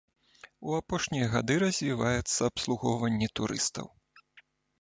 У апошнія гады развіваецца абслугоўванне турыстаў.